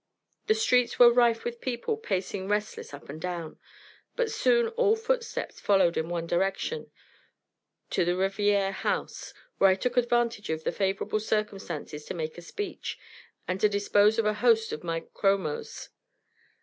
"The streets were rife with people pacing restless up and down;" but soon all footsteps followed in one direction, to the Reviere House, where I took advantage of the favorable circumstances to make a speech, and to dispose of a host of my chromos.